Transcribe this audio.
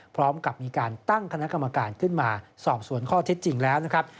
พร้อมกับมีการตั้งคณะกรรมการขึ้นมาสอบสวนข้อเท็จจริงแล้วนะครับ